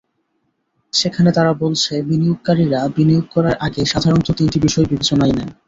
সেখানে তারা বলছে, বিনিয়োগকারীরা বিনিয়োগ করার আগে সাধারণত তিনটি বিষয় বিবেচনায় নেন।